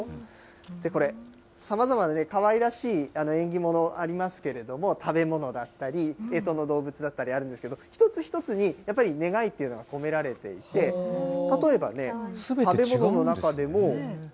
これ、さまざまなね、かわいらしい縁起物ありますけれども、食べ物だったり、えとの動物だったりあるんですけど、一つ一つにやっぱり願いというのが込められていて、例えばね、食べ物の中でも。